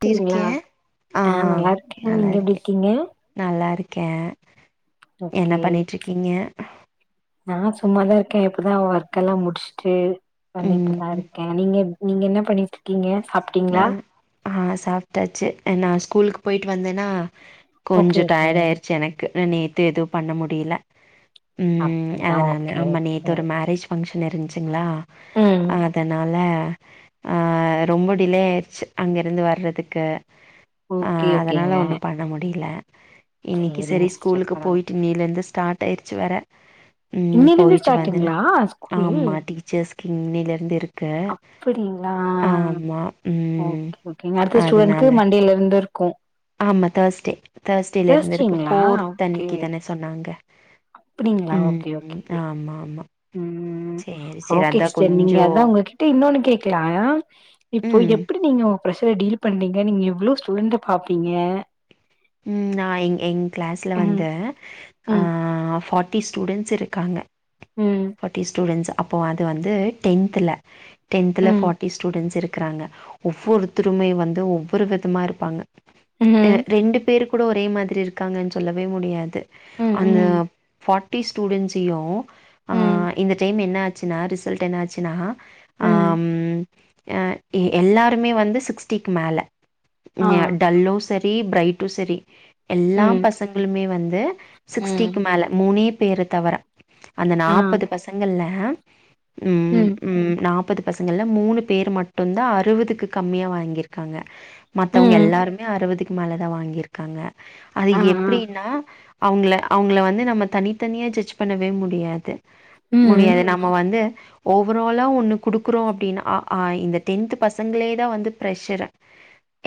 எப்டி இருக்கே ஆ நல்லாருக்கே நீங்க எப்டிருக்கீங்க கே என்ன பண்ணிட்ருக்கீங்க நா சும்மாதா இருக்கே இப்பதா வர்க் எல்லா முடிச்ட்டு வந்துட்டுதா ம் இருக்கே நீங்கப் நீங்க என்ன பண்ணிட்ர் நா ஆ சாப்டாச்சு நா ஸ்கூல்க் போய்ட்டு வந்தேனா ஓகே கொஞ்சோ ஓகே டயர்டாயிருச்சு எனக்கு றே நேத்து எதூ பண்ண முடியல ம் அப்டிதா அத்னால ஓகே ஆமா ஓகே நேத்து ஒரு மேரேஜ் ஃபங்க்ஷ் னுருந்ச்சுங்களா ம் அதனால ஹ ஆ ரொம்ப டிலே ஆயிருச்சு அங்கருந்து வர்றதுக்கு ஆ ஓகே அதனால ஓகேங்க ஒண்ணு பண்ண முடியில இன்னிக்கி சேரிங்க செரி சிஸ்டர் ஸ்கூலுக்கு பரவால போயிட்டு இன்னிலந்து டாட்டாயிருச்சு வேற உம் இன்னைல இருந்து போயிட்டு வந்தேனா ஸ்டார்ட்டுங்களா ஆமா டீச்சஸ்க்கு இன்னில இருந்து இருக் அப்படிங்ளா ம் ஓகே ஓகேங்க அடுத்த அதனால ஸ்டூடண்ட்க்கு மண்டேல இருந் ந்திருக்கூ ஆமா தேஸ்டே தேஸ்டேல இருந்து இருக்கு தேர்ஸ்டேங்களா ஃபோர்த் அன்னிக்கு தானே சொன்னாங்க அப்டிங்ளா ஓகே ம் ஓகே. ஆமா ஆமா உம் சேரி சேரி ஓகே அதா சிஸ்டர் நீங்க கொஞ்சோ அதா உங்ககிட்ட இன்னொன்னு கேக்லா இப்போ ம் எப்பிடி நீங்க ப்ரஷர டீல் பண்ணீங்க நீங்க எவ்ளோ ஸ்டூடண்ட்ட பாப்பீங்க உம் நா எங் எங் கிளாஸ்ல ம் வந்து அ ம் ஃபாட் டி ஸ்டுடெண்ட்ஸ் இருக்காங்க ம் ஃபட்டி ஸ்டுடெண்ட்ஸா அப்போ அது வந்து டென்த்துல டென்த்துல ம் ஃபாட்டி ஸ்டுடெண்ட்ஸ் இருக் க்றாங்க ஒவ்வொருத்திருமே வந்து ஒவ்வொரு விதமா இருப்பாங்க அ ம் ரெண்டு பேரு கூட ஒரே மாதிரி இருக்காங்கன் சொல்லவே முடியாது ம் அந்த ம் ஃபாட் ட்டி ஸ்டுடெண்ட்ஸியு ம் ஆஹ் இந்த டைம் என்ன ஆ ச்சினா ரிசல்ட் என்னாச்சினா ம் ஆம் அ இ எல்லாருமே வந்து சிக்ஸ்டிக்கு மேல ஆ ஏ டல்லோஸ் ரி பிரைட்டு செரி எல்லாம் ம் பசங்களுமே வந் து ம் சிக்ஸ்டிக்கு மேல மூனேப் பேர தவற அந்த ஆ நாப்பது பசங்கள்ல ஏம் உம் உம் ம் நாப்பதுப் பசங்கள்ல மூணு பேர் மட்டும்தா அறுவதுக்கு கம்மியா வாங்கிருக்காங்க மத்தவங்க ம் எல்லாருமே அறுவதுக் மேல தா வாங்கியிருக்காங்க அது ஆ ஆ எப்படின்னா அவங்கள அவங்கள வந்து நம்ம தனித்தனியா ஜட்ஜ் பண்ணவே முட் டியாது ம் முடியாது நம்ம வந்து ஓவராலாக ஒன்னு குடுக்குறோ அப்டினா அ ஆ இந்த டென்த்து பசங்களே தா வந்து ப்ரெஷர்ரு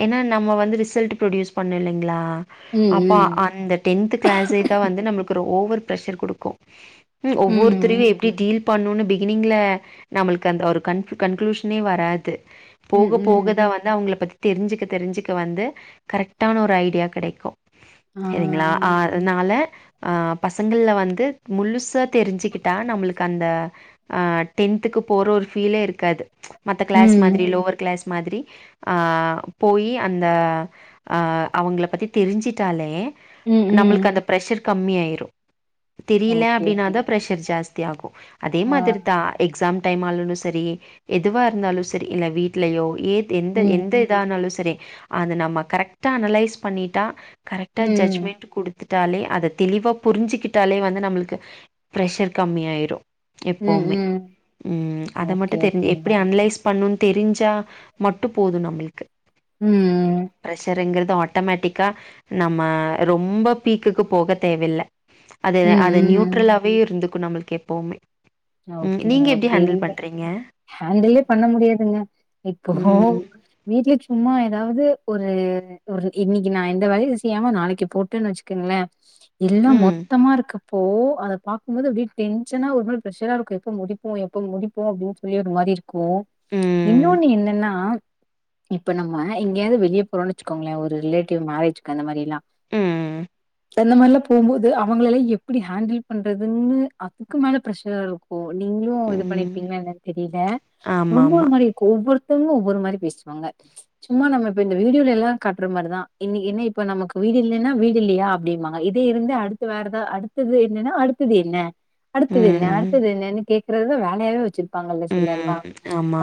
ஏன்னா நம்ம வந்து ரிசல்ட் ப்ரொடியூஸ் பண்ணுல்லைங்களா ம் அப்ப ம் அந்த டென்த் கிளாஸ்சே தா வந்து நம்மளுக்கு ஒரு ஓவர் ப்ரெஷர் குடுக்கு ம் ஒவ்வொருதரையு எப்டி டீல்ப் பண்ணும்னு பிகினிங்ல நம்மளுக்கு அந்த ஒரு கன் கன்க்ளூஷனே வராது ம் போக ம் போகதா வந்து அவங்கள பத்தித் தெரிஞ்சுக்க தெரிஞ்சுக்க வந்து கரெக்டான ஒரு ஐடியா கெடைக்கு ஆ சேரிங்ளா ஆ அதுனால ஆ பசங்கல்ல வந்து முழுசாத் தெரிஞ்சுக் கிட்டா நம்மளுக்கு அந்த ஆ டென்த்துக்கு போற ஒரு ஃபீலே இருக்காது ம்ச் மத்த க்ளாஸ் மாதிரி ம் லோவர் க்ளாஸ் மாதிரி ஆ போய் அந்த அ அவங்கள பத்தி தெரிஞ்சுட்டாலே ம் நம்மளுக்கு ம் அந்த பிரஷர்க் கம்மியாயிரு தெரியில ஓகே ஓகேங்க அப்டின்னாதாப் ஜாஸ்தி ஆகு அதே ஆ மாதிரி தா எக்ஸாம் டைம் ஆலுன்னு செரி எதுவா இருந்தாலு செரி இல்ல வீட்லயோ ஏத் எந்த ம் எந்த இதானாலு செரி அது நம்ம கரெக்டா அனலைஸ் பண்ணிட்டா கரெக்டா ம் ஜட்ஜ்மெண்ட்டு குடுத் த்துட்டாலே அத தெளிவா புரிஞ்சுக்கிட்டாலே வந்து நம்மளுக்கு ப்ரஷர் கம்மியாயிரு ம் எப்பவுமே ம் ம் அத மட்டு ஓகே தெரிஞ் ஓகேங்க எப்டி அன்லைஸ் பண்ணுன் தெரிஞ்சா மட்டு போது நம்ளுக்கு ம் ப்ரஷருங்கிறது ஆட்டோமேட்டிக்கா நம்ம ரொம்ப பீக்குக்கு போக தேவெல்ல அது ம், அது ம். நியூட்ரலா இருந்துக்கு நம்மளுக்கு எப்பவுமே ம். ஓகேங்க நீங்க எப்படி ஓகே இ ஹேண்டில் பண்றீங்க? ஹாண்டலே பண்ண முடியாதுங்க இப்பொ ம். வீட்ல சும்மா ஏதாவது ஒரு ஒரு இன்னைக்கு நா எந்த வேலயு செய்யாம நாளைக்கு போட்டன்னு வெச்சுக்கங்ளே எல்லா ம். மொத்தமா இருக்கப்போ அத பாக்கும்போது அப்டியே டென்ஷனா ஒரு மாரி பிரஷரா இருக்கு எப்பொ முடிப்போ எப்பொ முடிப்போ அப்டின்னு சொல்லி ஒரு மாரி இருக்கு கு ம். இன்னொன்னு என்னன்னா இப்ப நம்ம எங்கயாவது வெளிய போறோம்னு வெச்சுக்கோங்ளே ஒரு ரிலேட்டிவ் மேரேஜ்கு அந்த மாரில்லா ம். அந்த மாரிலா போகும்போது அவங்கள எல்லா எப்டி ஹேண்டில் பண்றதுன்னு அதுக்கு மேல பிரசரா இருக்கு நீங்களு இது ம். பண்ணிருப்பீங்ளா என்னனு தெரில ரொம்ப ஆமாமா. ஒரு மாரிஇருக்கு ஒவ்வொரு தர் ஒவ்வொரு மாரி பேசுவாங்க சும்மா நம்ம இப்பொ இந்த வீடியோல எல்லா காட்ற மாரிதா இன்னைக்கு என்ன இப்ப நமக்கு வீடு இல்லன்னா வீடில்லயா அப்டிம்பாங்க இதே இருந்தா அடுத்து வேறதா அடுத்தது என்னன்னா அடுத்தது என்ன அடுத்தது என்ன ம். அடுத்தது என்னனு கேக் ருத வேலையாவவே வச்சுிருக்கு ப்பாங்கல்ல சில எல்லாம் ம்.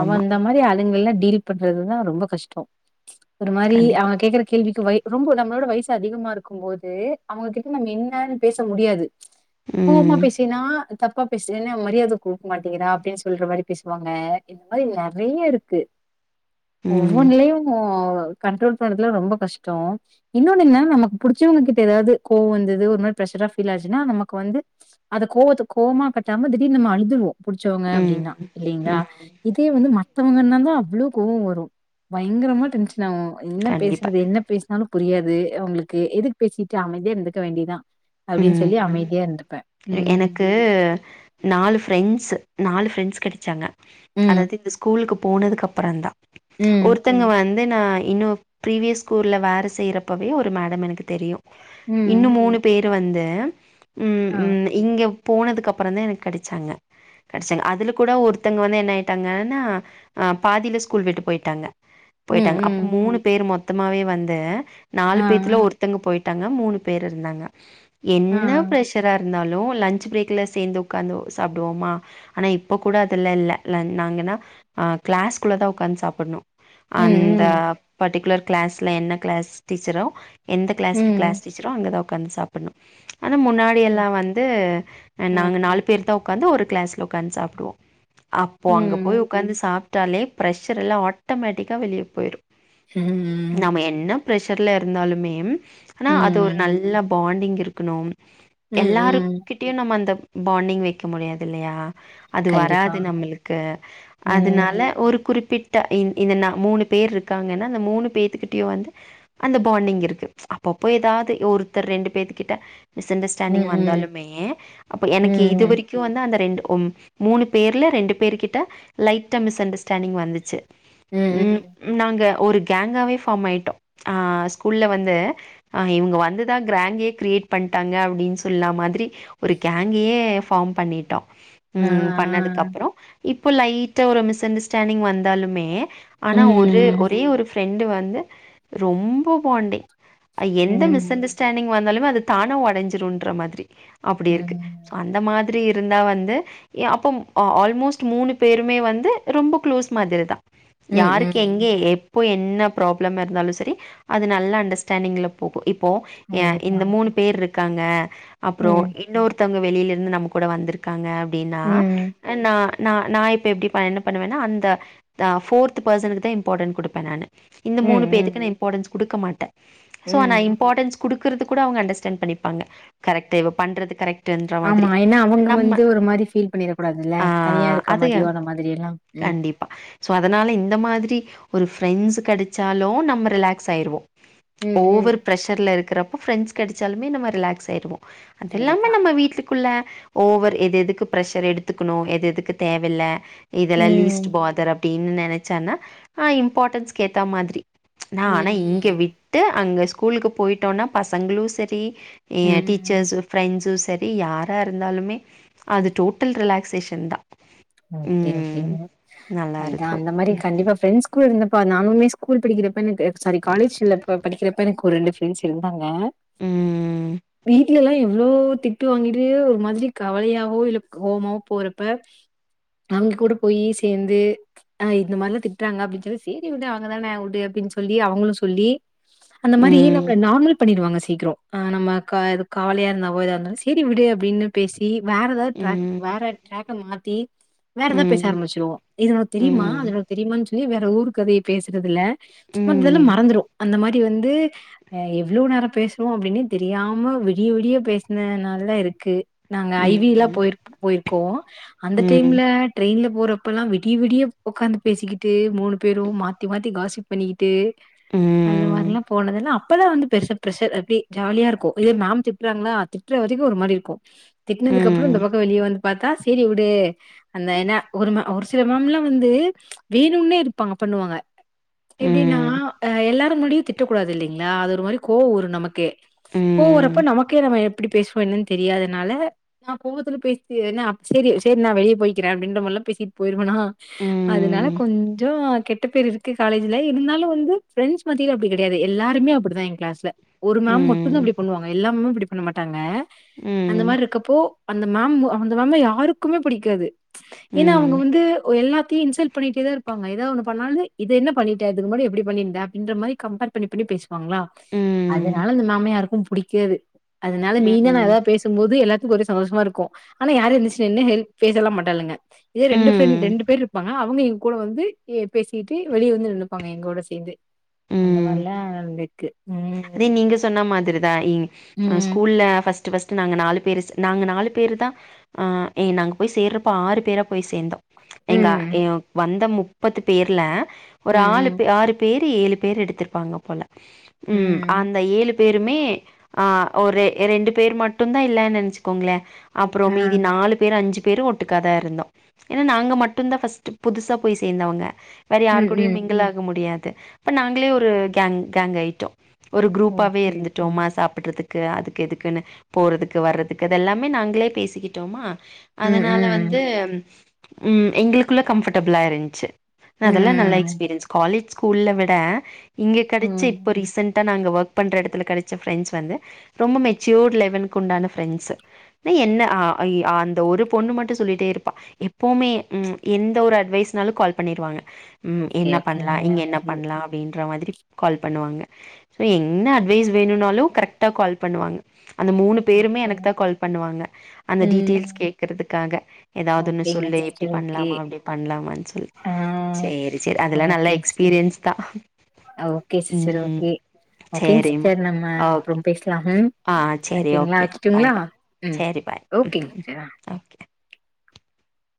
அவ அந்த மாதிரி அளுங்க எல்லாம் டீல் பண்றதுன்னா ரொம்ப கஷ்டம் ஒரு மாரி கண்டிப்பா. அவங்க கேக்குற கேள்விக்கு வை ரொம்ப நம்மளோட வயசு அதிகமா இருக்கும் போது அவங்ககிட்ட நம்ம என்னன்னு பேச முடியாது கோவமா ம். பேசினா தப்பா பேச என்ன மரியாதை கூடுக்க மாட்டேங்கிறா அப்படின்னு சொல்ற மாரி பேசுவாங்க இந்த மாரி நிறைய இருக்கு ம். ஒவ்வொன்லையும் கண்ட்ரோல் பண்றதுலாம் ரொம்ப கஷ்டம் இன்னொன்ன நமக்கு புடிச்சவங்க கிட்ட ஏதாவது கோவம் வந்தது ஒரு மாரி ப்ரேஸர் ஆ ஃபீல் ஆச்சுாண்ணா நமக்கு வந்து அத கோவத்து கோவமா காட்டாம திடீர்னு நம்ம அழுதுரூவோம் புடிச்சவங்க அப்படின்னா ம். இல்லலைங்களா ம். இதே வந்து மத்தவங்க என்ன தான் அவ்வளோ கோவம் வரும் பயங்கரமா டென்ஷன் என்ன கண்டிப்பா. பேசுறது என்ன பேச சொன்னாலும் புரியாது அவங்களுக்கு எதுக்கு பேசிட்டு அமைதியா இருந்துக்க வேண்டியதான் அப்படின்னு சொல்லி ம். அமைதியா இருந்தப்பேன் ம் எனக்கு நாலு பிரெண்ட்ஸ் நாலு பிரெண்ட்ஸ் கடைச்சாங்க ம். அதாவது இந்த ஸ்கூலுக்கு போனதுக்க அப்புறம்ந்தான் ம். ஒருத்தங்க வந் அதே நான் இன்னும் ப்ரீவியஸ் ஸ்கூலில் வேறு செய்கிறப்பவே ஒரு மேடம் எனக்கு தெரியும் ம். இன்னும் மூணு பேர் வந்து உம் ஆ. உம் இங்க போனதுக்கு அப்புறோ தா எனக்கு கெடைச்சாங்க கெடைச்சாங்க அதுல கூட ஒருத்தங்க வந்து என்ன ஆயிட்டாங்கன்னா பாதில ஸ்கூல் விட்டு போயிட்டாங்க ம். போயிட்டாங்க அப்ப ம். மூணு பேர் மொத்தம் மொத்தமாவே வந்து நாலு ஆ. பேத்துல ஒருத்தங்க போயிட்டு டாங்க மூணு பேர் இருந்தாங்க ஆ. என்ன ஃபிர்ஷரா இருக் இருந்தாலும் லன்ச் பிரேக்ல சேந்து உக்காந்து சாப்புடுவோமா ஆனா இப்போ கூட அதெல்லா இல்ல நாங்கனா கிளாஸ்க்குள்ள தா ஒக்காந்து சாப்பூடணு அந்த ம். பர்டிகுலர் கிளாஸ்ல என்ன கிளாஸ் டீச்சரோ எந்த கிளாஸ்கு ம். கிளாஸ் சீட்ச்சரோ அங்க தா ஒகன்ச பன்னு ஆனா முன்னாடி எல்லா ம். வந்து நாங்க ம். நாலு பேர் தா ஒக் காந்து ஒரு க்ளாஸ்ல ஒக்காந்து சாப்புடுவோ அப்போ அங்க போய் ம். உக்காந்து சாப் ட்டாலே பிரஷரெல்லா ஆட்டோமேட்டிக்கா வெளியே போயிறு ம்ம் ப்ரெஷர்லயிருந்தாலுமே ஆனா அது ஒரு ம். நல்ல பாண்டிங் இருக்குணும் ம். ம். எல்லாருக்கிட்டயு நம்ம அந்த பாண்டிங் வெக்க முடியாதில்லையா அது கண்டிப்பா. வராது நம்மளுக்கு அதுனால ம். ஒரு குறிப்பிட் ட இந் இந்த நா மூணு பேர் இருக்காங்கன்னா அந்த மூணு பேத்துக்கிட்டயோ வந்து அந்த பாண்டிங் இருக்கு அப்பப்போ ஏதாவது ஒரு ரெண்டு பேத்துக்கிட்ட மிஸ் ம். அண்டர்ஸ்டாண்டிங் ம். வந்தாலுமே அப்ப எனக்கு ம். இதுவரைக்கோ வந்த அந்த ரெண்டு ஒ மூணு பேர்ல ரெண்டு பேர் கிட்ட லைட்ட மிஸ் அண்டர்ஸ்டாண்டிங் வந்துச்சு ம் நாங்க ஒரு கேங்காவே ஃபாம் ஆயிட்டோ ஸ்கூல்ல வந்து இவுங்க வந்து தா கிராங்கே கிரியேட் பண்டாங்க அப்டின்னு சொன்ன மாதிரி ஒரு கேங்கயே ஃபார்ம் பண்ணிட்டோ ஆ, ம் பண்ணதுக்கு அப்பறோ இப்ப லைட்டா ஒரு மிஸ் அண்டர்ஸ்டாண்டிங் வந்தாலுமே ஆனா ஒரு ம் ஒரே ஒரு ஃப்ரண்டு வந் வந்து ரொம்ப பாண்டிங் எந்த மிஸ் அண்டர்ஸ்டாண்டிங் ம் வந்தாலுமே அது தான ஒடைஞ்சிருன்ற மாதிரி அப்டி இருக்கு சோ ம் அந்த மா திரி இருந்தா வந்து எ அப்போ ம் ஆ ஆல்மோஸ்ட் மூணு பேருமே வந்து ரொம்ப க்ளோஸ் மாதிரி தா ம் யாருக்கு ம் எங்கே எப் போ என்ன ப்ராப்ளமா இருந்தாலு சேரி அது நல்ல அண்டர்ஸ்டாண்டிங்ல போ போ இப்போ ஏ கண்டிப்பா இந்த மூணு பேர் ருக் க்காங்க அப்புறோ ம் இன்னொருத்தங்க வெளியில இருந்து நம்ம கூட வந்துருக்காங்க ப்டின்னா ம் அ நா நா நா இப்ப எப்டி ப என்ன பண்ணுவேன்னா அந்த த ஃபோர்த்து பர்சனுக்கு தா இம்பார்ட்டன்ட் குடுப்பே நானு இந்த ம் மூணு பேத்துக்கு ம் நா இம்பார்ட்டன்ஸ் குடுக்க மாட்டே சோ நா ம் இம்போர்டன்ஸ் குடுக்குறது கூட அவங்க அண்டர்ஸ்டாண்ட் பண்ணிர்ப்பாங்க கரெக்ட்டு இவ பண்றது கரெக் ஆமா ஏன்னா அவங்க வந்து ஒரு மாரி ஃபீல் பண்ணிட கூடாதுல்ல ஆ தனியா இருக்க அது மாதியோ அந்த மாதிரி எல்லாம் ம் கண்டிப்பா சோ அதனால இந்த மாதிரி ஒரு ஃப்ரெண்ட்ஸ் கெடச்சாலு நம்ம ரிலாக்ஸ் ஆயிறுவோ ம் ஓவர் ம் பிரஷர்ல இரு க்கறப்போ ஃப்ரண்ட்ஸ் கெடச்சாலுமே நம்ம ரிலாக்ஸ் ஆயிருவோ அது இல்லாம கண்டிப்பா நம்ம வீட்டு க்குள்ள ஓவர் எது எதுக்கு பிரஷர் எடுத்துக்குணு எது எதுக்கு தேவ இல்ல இதுல ம் லீஸ்ட் போ தர் அப் டினு நெனச்சன்னா நா இம்பார்ட்டன்ஸ்க்கு ஏத்த மாதிரி நா ஆனா இங்க ம் விட்டு அங்க ஸ்கூலுக்கு போயி ட்டோனா பசங்களு செரி ஏ ம் டீச்சர்ஸ் ஃப்ரெண்ட்ஸ் சேரி யாரா இருந்தாலுமே அது டோட்டல் ரிலாக்ஸ்சேஷன் தா [unintelligible] நல்லாருக்கும். அந்த மாதிரி ம். கண்டிப்பா ஃபிரண்ட்ஸ் கூட இருந்த இப்போ நானுமே ஸ்கூல் படிக்கிறப்ப எனக்கு சாரி காலேஜில படிக்கிறப்ப எனக்கு ஒரு ரெண்டு ஃப்ரெண்ட்ஸ் இருந்தாங்க உம் இல்லல்லாம் எவ்ளோ திட்டு வாங்கிட்டு ஒரு மாதிரி கவலையாவோ இல்ல கோவமாவோ போறப்ப அவங்க கூட போய் சேர்ந்து அஹ் இந்த மாதிரில்லாம் திட்டுறாங்க அப்படின்னு சொல்லி சரி விடு அவங்கதானே விடு அப்படின் சொல்லி அவங்களும் சொல்லி அந்த மாதிரி ம். நம்மளை நார்மல் பண்ணிடுவாங்க சீக்கிரம் நம்ம கவலையா இருந்தாவ ஏதா இருந்தாலும் சரி விடு அப்படின்னு பேசி வேற ஏதாவது ட்ராக் ம். வேற ட்ராக் அந்த மா தே வேற ஏதாவது பேச ம். ஆரம்பிச்சிருவோம் இது உனக்கு தெரியுமா ம். அது உனக்கு தெரியுமா [unintelligible] வேற ஊரு கதையை பேசுறது இல்ல ம் [unintelligible] ம் மறந்துடும் அந்த மாதிரி வந்து் எவ்வளவு நேரம் பேசுவோம் அப்படின்னு தெரியாம விடிய விடிய பேசின நாள் ல இருக்கு நாங்க ஐ வி ல்லா போய்ர்க்கு போயிர்க் கோ அந் ம் டைம்ல ட்ரெயின்ல போறப்பல்லா விடிய விடிய ஒக்காந்து பேசிக்கிட்டு மூணு பேரு மாத்தி மாத்தி காசிப் பண்ணிக்கிட்டு ம் அந்த ம் மாரிலா போனதெல்லா அப்பல்லா வந்து பெருசா ப்ரஷர் அப்டி ஜாலியா இருக்கு இதே மேம் திட்றாங்னா திட்ற வரைக்கு ஒரு மாரி இருக்கு ம் ம் திட்டனதுக்கப்றோ இந்த பக்கொ வெளிய வந் பாத்தா சேரி உடு அந்த என்ன ஒரு ம ஒரு சில மேம்லா வந்து வேணும்னே இருப்பாங்க பண்ணுவாங்க எப்டின்னா ம் அ எல்லாரு முன்னாடியு திட் டக்கூடாது இல்லிங்ளா அது ஒரு மாரி கோவொ வரு நமக்கே ம் கோவொ வறப்ப ம் நமக்கே நம்ம எப்டி பேசுவோ என்னன் தெரியாதனால நா கோவத்துல பேசி என்ன அப் சேரி சேரி நா வெளிய போய்க்கிற அப்டின்ற மாரில்லா பேசிட் போயிருவனா அதுனால ம் கொஞ்சொ கெட்ட பேரு இருக்கு காலேஜ்ல இருந்தாலு வந்து ஃப்ரெண்ட்ஸ் மத்தியில அப்டி கடையாது எல்லாருமே அப்டிதா எங் க்ளாஸ்ல ஒரு மேம் மட்டுந்தா அப்டி பண்ணுவாங்க எல்லா மேமு அப்டி பண்ண மாட்டாங்க அந்த ம் மார்ருக்கப்போ அந்த மேம் அந்த மேம்லா யாருக்குமே புடிக்காது ஏன்னா அவுங்க வந்து எல்லாத்தையு இன்சல் பண்ணிட்டேதா இருப்பாங்க ஏதாவ் ஒண்ணு பண்ணாலே இத என்ன பண்ணிட்ட இதுக்கு முன்னாடி எப்டி பண்ணிருந்த அப்டின்ற மாரி கம்ப்பேர் பண்ணி பண்ணி பேசுவாங்ளா அதுனால அந்த மேம யாருக்கும் புடிக்காது அதுனால நீங்க நா ஏதாவ்து பேசும்போது எல்லாத்துக்கு ஒரே சந்தோஷமா இருக்கு ஆனா யாரு எந்த்ருச்சி நின்னு ஹெல்ப் பேசல்லா மாட் டாலுங்க இதே ரெண்டு ஃப்ரெண் ம் ரெண்டு பேர்ருப்பாங்க அவுங்க எங்கூட வந்து யே பேசிட்டு வெளிய வந்து நின்னுப்பாங்க எங்களோட சேந்து ம் அந்த ம் மாரில்லா வந்துக்கு அதே நீங்க சொன்னா மாதிரி தா இ அ ம். ஸ்கூல்ல ஃபஸ் ட்டு ஃபஸ்ட்டு நாங்க நாலு பேர் ச நாங்க நாலு பேருதா ஆ எ நாங்க போய் சேர்றப்போ ஆறு பேரா போய் சேந்தோ எங்க ம். எங்க வந்த முப் ப்பது பேர்ல ம். ஒரு ஆலு ம். பே ஆறு பேர் த்தி ஏழு பேர் எடுத்துருப்பாங்க போல ம் ஏழு பேருமே ஆ ஒரு ரெண்டு பேர் மட்டுந்தா இல்லனு நெனச்சுக்கோங்களே அப்பறோ ஆ. மீதி நாலு பேர் அஞ்சு பேரு ஒட்டுக்காதா இருந்தோ ஏன்னா நாங்க மட்டுந்தா ஃபஸ்ட்டு புதுசா போய் சேந்தவங்க வேற யாரு ம். கூடயு ம். மிங்கிள்ளாக முடியாது த்து அப்ப நாங்களே ஒரு கேங் கேங்காயிட்டோ ஒரு குரூப்பாவே ஓகே. இருந்துட்டோமா சாப்புட்றதுக் கு அதுக்கு இதுக்குனு போறதுக்கு வர்றதுக்கு அதெல்லாமே நாங்களே பேசிக்கிட்டோமா ம். அதனால வந்து ம். ம் எங்களுக்குள்ள கம்பர்ட்டபிளா இருந்த்ச்சு அதெல்லா நல்ல ம். எக்ஸ்பீரியன்ஸ் காலேஜ் ஸ்கூல்ல விட இங்க கெடச்ச இப்போ ம். ரீசெண் ட்டா நாங்க வொர்க் பண்ற எடத்துல கெடச்ச ஃப்ரெண்ட்ஸ் வந்து ரொம்ப மேச்சூர் லெவல்க்கு உண்டான ஃப்ரெண்ட்ஸ் என்ன ஆ இ அந்த ஒரு பொண்ணு மட்டு சொல்லிட்டே இருப்பா எப்போமே ம் எந்த ஒரு அட்வைஷ்னாலு கால் பண்ணிடுவாங்க ம் ஓகே, என்ன பண்லா ஓகேங்க. இங்க என்ன ஓகே, பண்லா அப்டின்ற மாதிரி கால் பண்ணுவாங்க ஃப்ரி என்ன அட்வைஸ் வேணுன்னாலு கரெக்டா கால் பண்ணுவாங்க அந்த மூணு பேருமே ஓகே. எனக்கு தா கால் பண்ணுவாங்க அந்த ம். டீட்டெயில்ஸ் கேட்கறதுக்காக ஏதாவது ஒன்று ஓகேங்க சொல்லு இப்டி சிஸ்டர். ஓகே. பண்லாமா அப்டி பண்லாமான்னு சொல்லு ஆ சேரி சேரி அதுல்லா நல்ல ஓகேங்க சிஸ்டர். எக்ஸ்பீரியன்ஸ் தா ம் ஓகேங் சேரிம்மா ஸ்ச்சர் நம்ம அப்றொ ஓகே பேஸ்லா ஆ சேரி ஓக்கே பாய் பாய் ம். சேரி பாய் ஓகேங்க சிஸ்டர். அவ்கே